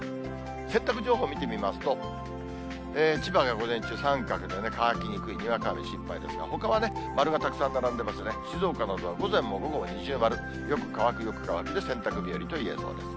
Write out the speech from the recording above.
洗濯情報見てみますと、千葉が午前中三角でね、乾きにくい、にわか雨心配ですが、ほかはね、丸がたくさん並んでますね、静岡などは午前も午後も二重丸、よく乾く、よく乾くで洗濯日和と言えそうです。